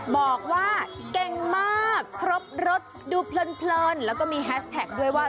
บอกว่าเก่งมากครบรสดูเพลินแล้วก็มีแฮชแท็กด้วยว่า